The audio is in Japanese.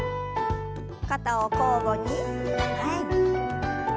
肩を交互に前に。